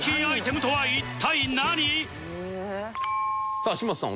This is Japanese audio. さあ嶋佐さん